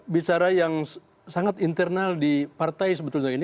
bicara yang sangat internal di partai sebetulnya ini